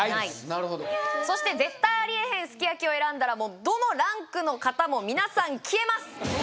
なるほどそして絶対ありえへんすき焼きを選んだらもうどのランクの方も皆さん消えます